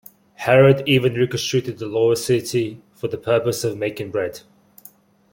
Herod even reconstructed the lower city for the purpose of making bread.